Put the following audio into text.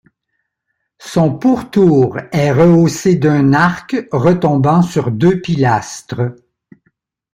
Son pourtour est rehaussé d’un arc retombant sur deux pilastres.